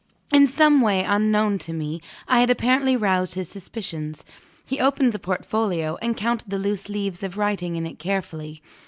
In some way unknown to me, I had apparently roused his suspicions. He opened the portfolio, and counted the loose leaves of writing in it carefully.